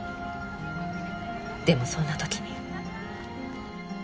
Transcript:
でもそんな時に。